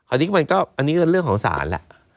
อันนี้ก็อันนี้ก็เรื่องของสารแหละ